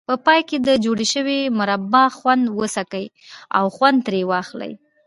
په پای کې د جوړې شوې مربا خوند وڅکئ او خوند ترې واخلئ.